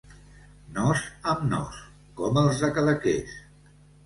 Nos amb nos, com els de Cadaqués.